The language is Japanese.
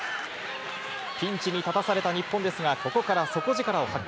ピンチに立たされた日本ですが、ここから底力を発揮。